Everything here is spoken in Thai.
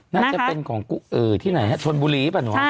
น่าจะเป็นของที่ไหนสนบุหรีป่ะหนู